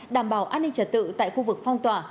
đảm bảo an ninh trật tự tại khu vực phong tỏa